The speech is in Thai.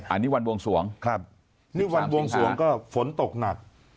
อันนี้วันวงสวงครับนี่วันบวงสวงก็ฝนตกหนัก